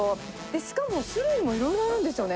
しかも種類もいろいろあるんですよね。